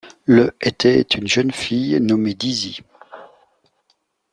Le était une jeune fille nommée Dizzy.